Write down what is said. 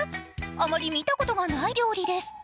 あまり見たことがない料理です。